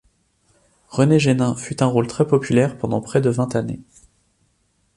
René Génin fut un second rôle très populaire pendant près de vingt années.